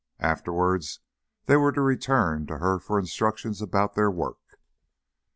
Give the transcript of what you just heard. Afterwards they were to return to her for instructions about their work.